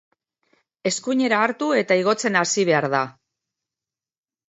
Eskuinera hartu eta igotzen hasi behar da.